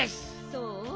そう？